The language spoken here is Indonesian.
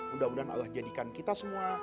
mudah mudahan allah jadikan kita semua